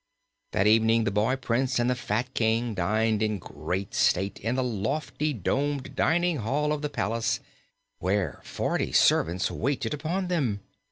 That evening the boy Prince and the fat King dined in great state in the lofty domed dining hall of the palace, where forty servants waited upon them.